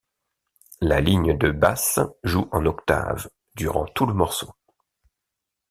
La ligne de basse joue en octaves durant tout le morceau.